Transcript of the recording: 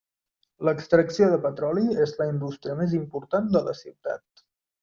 L'extracció de petroli és la indústria més important de la ciutat.